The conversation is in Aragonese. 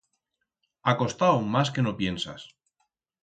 Ha costau mas que no piensas.